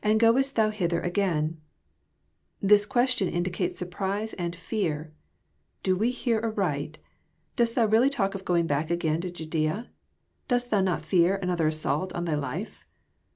lAnd goest thou thither againf^ This question indicates sur prise and fear, —" Do we hear aright ? Dost Thou really talk of going back again to Judaea? Dost Thou not fear another as sault on Thy life?"